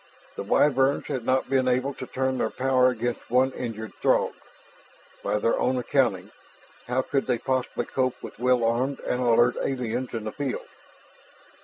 The Wyverns had not been able to turn their power against one injured Throg by their own accounting how could they possibly cope with well armed and alert aliens in the field?